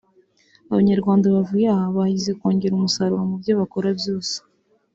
Abanyarwanda bavuye aha bahize kongera umusaruro mu byo bakora byose